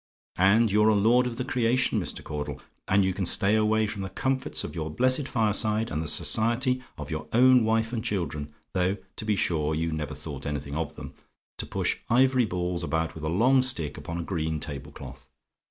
"And you're a lord of the creation, Mr. Caudle; and you can stay away from the comforts of your blessed fireside, and the society of your own wife and children though, to be sure, you never thought anything of them to push ivory balls about with a long stick upon a green table cloth.